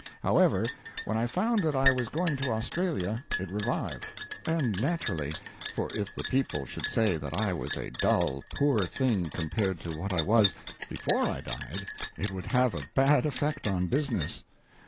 However, when I found that I was going to Australia it revived. And naturally: for if the people should say that I was a dull, poor thing compared to what I was before I died, it would have a bad effect on business.